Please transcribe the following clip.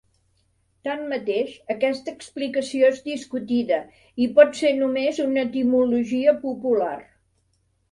Tanmateix, aquesta explicació és discutida i pot ser només una etimologia popular.